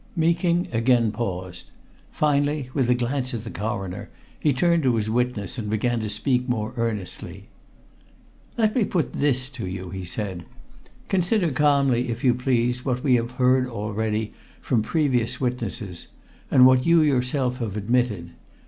Meeking again paused. Finally, with a glance at the Coroner, he turned to his witness and began to speak more earnestly. "Let me put this to you," he said. "Consider calmly, if you please, what we have heard already, from previous witnesses, and what you yourself have admitted.